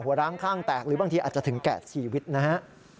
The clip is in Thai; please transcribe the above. ร้างข้างแตกหรือบางทีอาจจะถึงแก่ชีวิตนะฮะ